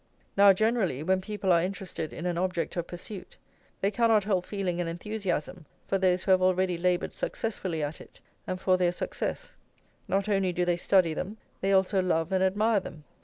Now, generally, when people are interested in an object of pursuit, they cannot help feeling an enthusiasm for those who have already laboured successfully at it, and for their success; not only do they study them, they also love and admire them.